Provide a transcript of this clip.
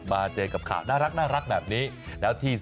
มาเจอกับข่าวน่ารักแบบนี้